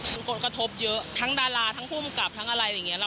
คือผลกระทบเยอะทั้งดาราทั้งภูมิกับทั้งอะไรอย่างนี้